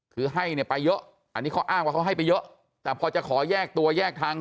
คือให้เนี่ยไปเยอะอันนี้เขาอ้างว่าเขาให้ไปเยอะแต่พอจะขอแยกตัวแยกทาง